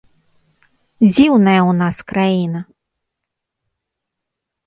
Дзіўная ў нас краіна.